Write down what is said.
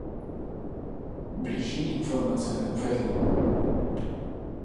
Bližší informace neuvedl.